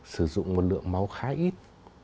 sử dụng một lượng máu khá ít